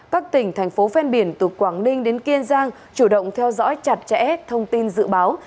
các tỉnh thành phố ven biển từ quảng ninh đến kiên giang chủ động theo dõi chặt chẽ thông tin dự báo